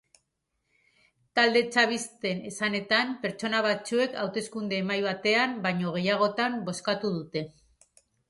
Talde chavisten esanetan, pertsona batzuek hauteskunde-mahai batean baino gehiagotan bozkatu dute.